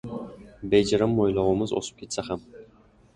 Bejirim mo‘ylovimiz o‘sib ketsa ham.